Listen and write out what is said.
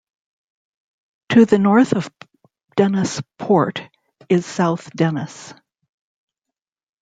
To the north of Dennis Port is South Dennis.